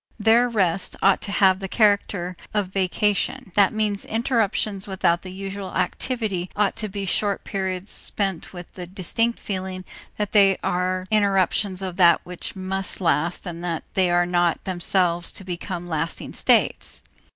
Their rest ought to have the character of vacation; that means interruptions without the usual activity ought to be short periods spent with the distinct feeling that they are interruptions of that which must last and that they are not themselves to become lasting states.